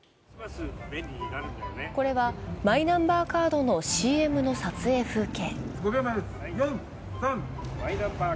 これはマイナンバーカードのＣＭの撮影風景。